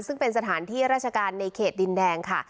ซึ่งเป็นสถานที่ราชการในเขตดินแดงค่ะ